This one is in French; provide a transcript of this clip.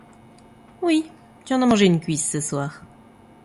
Oui, tu en as mangé une cuisse ce soir.